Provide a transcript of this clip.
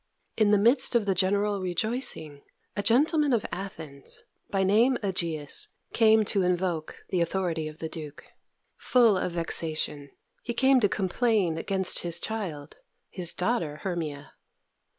In the midst of the general rejoicing, a gentleman of Athens, by name Egeus, came to invoke the authority of the Duke. Full of vexation, he came to complain against his child, his daughter Hermia.